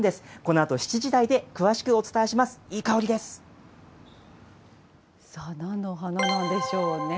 このあと７時台で詳しくお伝えしなんの花なんでしょうね。